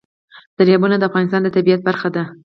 دریابونه د افغانستان د طبیعت برخه ده.